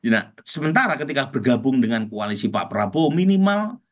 nah sementara ketika bergabung dengan koalisi pak prabowo minimal